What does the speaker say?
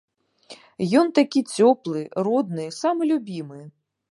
Ён такі цёплы, родны, самы любімы.